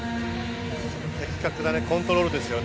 的確なコントロールですよね